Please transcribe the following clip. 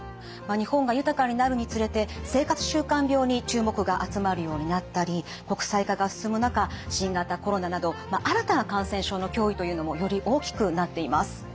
日本が豊かになるにつれて生活習慣病に注目が集まるようになったり国際化が進む中新型コロナなど新たな感染症の脅威というのもより大きくなっています。